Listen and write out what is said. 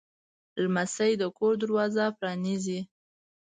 لمسی د کور دروازه پرانیزي.